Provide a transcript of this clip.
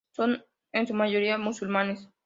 Son en su mayoría musulmanes.